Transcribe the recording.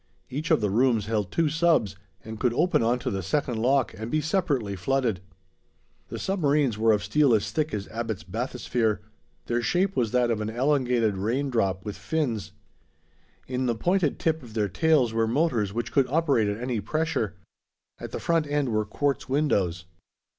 Each of the rooms held two subs, and could open onto the second lock and be separately flooded. The submarines were of steel as thick as Abbot's bathysphere. Their shape was that of an elongated rain drop, with fins. In the pointed tip of their tails were motors which could operate at any pressure. At the front end were quartz windows.